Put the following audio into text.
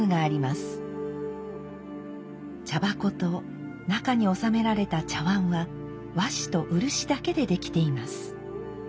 茶箱と中におさめられた茶碗は和紙と漆だけで出来ています。